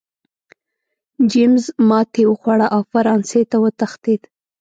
جېمز ماتې وخوړه او فرانسې ته وتښتېد.